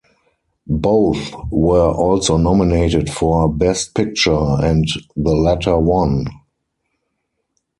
Both were also nominated for Best Picture, and the latter won.